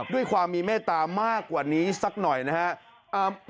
ด้วยความมีเมตตามากกว่านี้สักหน่อยนะครับ